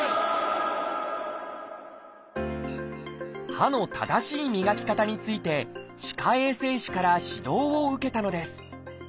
歯の正しい磨き方について歯科衛生士から指導を受けたのです。